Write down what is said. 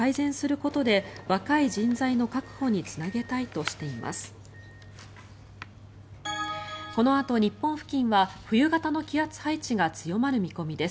このあと日本付近は冬型の気圧配置が強まる見込みです。